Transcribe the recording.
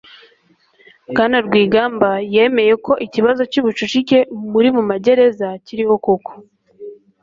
Bwana Rwigamba yemeye ko ikibazo cy'ubucuvcike muri mu magereza kiriho koko,